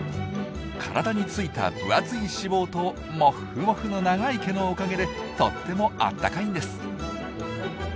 体についた分厚い脂肪とモッフモフの長い毛のおかげでとってもあったかいんです。